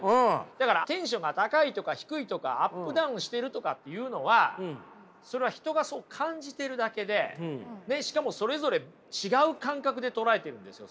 だからテンションが高いとか低いとかアップダウンしてるとかっていうのはそれは人がそう感じているだけでしかもそれぞれ違う感覚で捉えているんですよ